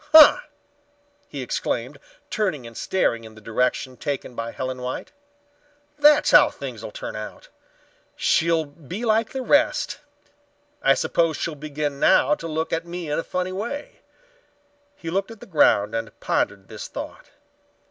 "Huh!" he exclaimed, turning and staring in the direction taken by Helen White. "That's how things'll turn out. She'll be like the rest. I suppose she'll begin now to look at me in a funny way." He looked at the ground and pondered this thought.